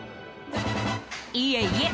いえいえ！